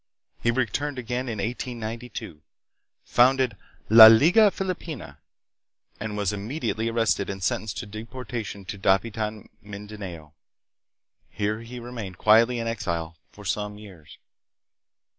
He returned again in 1892, founded " La Liga Filipina," and was immediately arrested and sentenced to deportation to Dapitan, Mindanao. Here he remained quietly in exile for some years.